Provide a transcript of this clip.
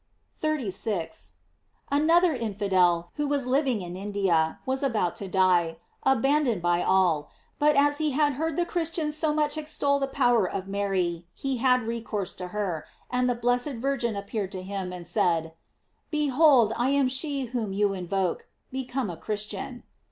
f 36. — Another infidel, who was living in India, was about to die, abandoned by all, but as he had heard the Christians so much extol the power of Mary, he had recourse to her, and the blessed Virgin appeared to him, and said: "Behold I am she whom you invoke; become a Christian."